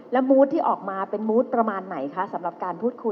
แล้วบูธที่ออกมาเป็นบูธประมาณไหนคะสำหรับการพูดคุย